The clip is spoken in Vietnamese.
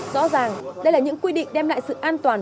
rõ ràng đây là những quy định đem lại sự an toàn